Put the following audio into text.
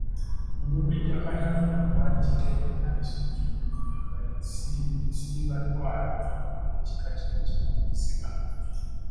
Omumbejja Katarina Mpaalikitenda Nabisubi, nnyina nga ye Siribatwalira ow'ekika ky'Enkima Muziba.